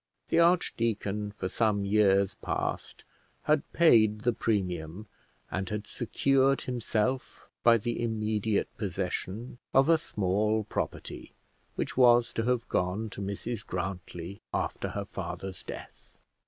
The archdeacon, for some years past, had paid the premium, and had secured himself by the immediate possession of a small property which was to have gone to Mrs Grantly after her father's death.